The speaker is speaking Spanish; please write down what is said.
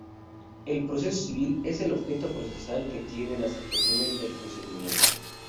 El "Proceso civil" es el objeto procesal que tienen las actuaciones del procedimiento.